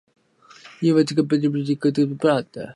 He was educated at Parramatta.